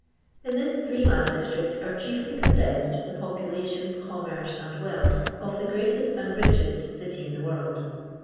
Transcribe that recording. In this three mile district are chiefly eondensed the popolatian, commerce, and wealth of the greatest and richest city in the world.